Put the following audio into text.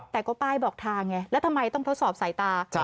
แต่ก็ป้ายบอกทางไงแล้วทำไมต้องทดสอบสายตา